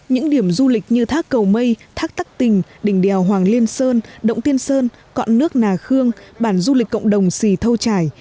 những điểm du lịch như thác cầu mây thác tắc tình đình đèo hoàng liên sơn động tiên sơn cọn nước nà khương bản du lịch cộng đồng sì thâu trải